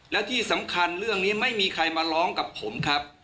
และที่สำคัญเรื่องนี้ไม่มีใครมาร้องกับผมครับ